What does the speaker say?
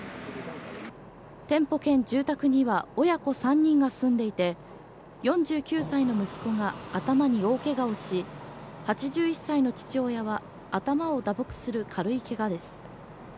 店舗兼住宅には親子３人が住んでいて４９歳の息子が頭に大ケガをし８１歳の父親は頭を打撲する軽いケガです。